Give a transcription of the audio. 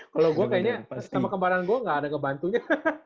kalau gue kayaknya sama kemarin gue gak ada kebantunya